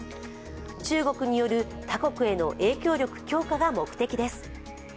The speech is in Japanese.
中国による他国への影響力強化が目的です。